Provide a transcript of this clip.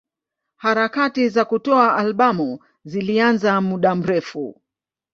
Harakati za kutoa albamu zilianza muda mrefu.